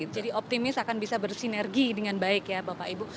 jadi optimis akan bisa bersinergi dengan baik ya bapak ibu